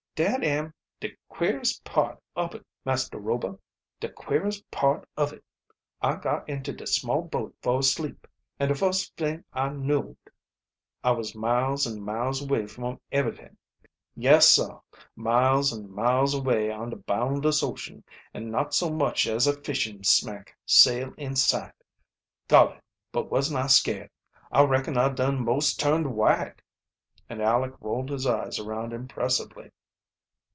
"Dat am de queerest part ob it, Master Rober de queerest part of it. I got into de small boat fo' a sleep, and de fust Ving I knowed I was miles an' miles away from eberyt'ing; yes, sah miles an' miles away on de boundless ocean, an' not so much as a fishin' smack sail in sight. Golly, but wasn't I scared I reckon I dun most turn white!" And Aleck rolled his eyes around impressively.